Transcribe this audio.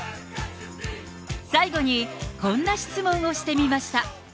最後にこんな質問をしてみました。